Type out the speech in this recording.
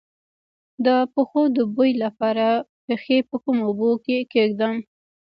د پښو د بوی لپاره پښې په کومو اوبو کې کیږدم؟